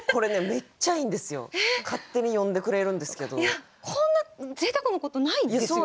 いやこんなぜいたくなことないですよね。